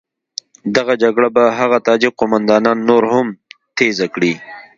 دغه جګړه به هغه تاجک قوماندانان نوره هم تېزه کړي.